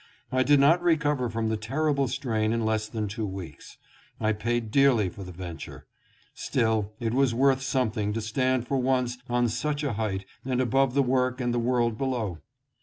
I did not recover from the terrible strain in less than two weeks. I paid dearly for the venture. Still, it was worth something to stand for once on such a height and above the work and the world below.